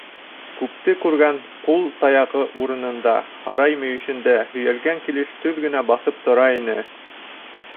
Күпте күргән ҡул таяғы урынында, һарай мөйөшөндә, һөйәлгән килеш төҙ генә баҫып тора ине.